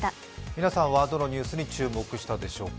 皆さんはどのニュースに注目したでしょうか。